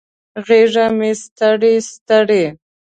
غیږه مې ستړي، ستړي